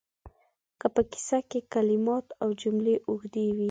که په کیسه کې کلمات او جملې اوږدې وي